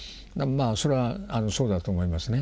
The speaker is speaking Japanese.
それはそうだと思いますね。